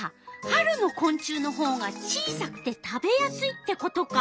春のこん虫のほうが小さくて食べやすいってことか。